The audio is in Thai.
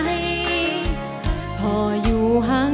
เพลงแรกของเจ้าเอ๋ง